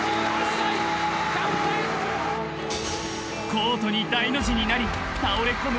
［コートに大の字になり倒れ込む